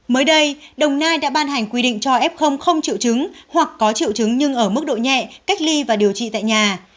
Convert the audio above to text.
mới đây đồng nai đã ban hành quy định cho f không triệu chứng hoặc có triệu chứng nhưng ở mức độ nhẹ cách ly và điều trị tại nhà